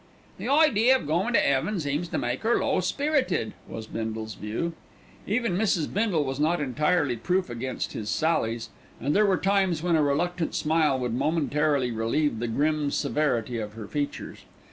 "The idea of goin' to 'eaven seems to make her low spirited," was Bindle's view. Even Mrs. Bindle was not entirely proof against his sallies, and there were times when a reluctant smile would momentarily relieve the grim severity of her features.